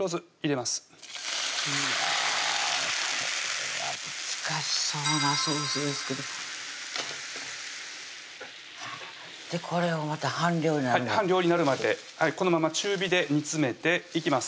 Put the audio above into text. うわこれは難しそうなソースですけどこれをまた半量になるまで半量になるまでこのまま中火で煮詰めていきます